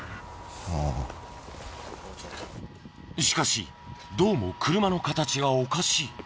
しかしどうも車の形がおかしい。